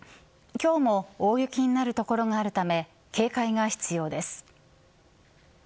今日も大雪になる所があるため警戒が必要です。